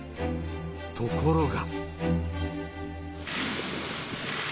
ところが。